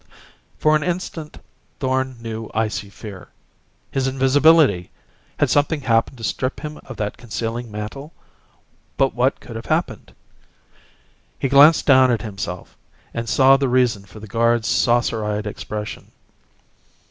For an instant Thorn knew icy fear. His invisibility! Had something happened to strip him of that concealing mantle? But what could have happened? He glanced down at himself and saw the reason for the guard's saucer eyed expression.